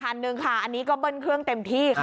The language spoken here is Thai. คันหนึ่งค่ะอันนี้ก็เบิ้ลเครื่องเต็มที่ค่ะ